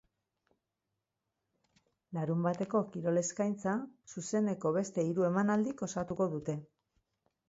Larunbateko kirol eskaintza zuzeneko beste hiru emanaldik osatuko dute.